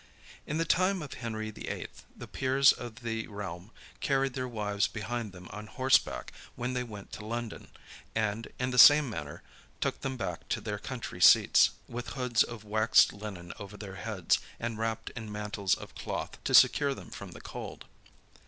In the time of Henry VIII. the peers of the realm carried their wives behind them on horseback when they went to London; and, in the same manner, took them back to their country seats, with hoods of waxed linen over their heads, and wrapped in mantles of cloth, to secure them from the cold.